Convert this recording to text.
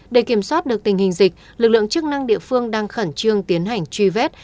để kiểm soát được tình hình dịch lực lượng chức năng địa phương đang khẩn trương tiến hành truy vết